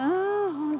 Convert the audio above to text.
本当。